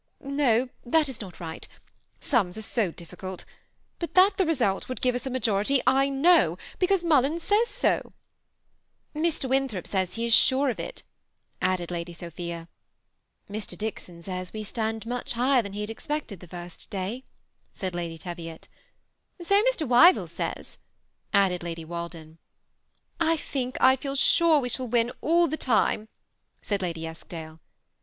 No, that is not right, sums are so difficult ; but that the result would give us a majority J know, because Mul lins says 90." " Mr. Winthrop says hQ Is sufq pf it, adde4 hs4j Sophia. ■B V.l I tt THE SEMI ATTACHED COUPLE. 275 ^^Mr. Dickson says we stand much higher than he bad expected the first day," said Lady Teviot. " So Mr. Wyvill says," added Lady Walden. <' I think I feel sure we shall win all the time," said Lady Eskdale.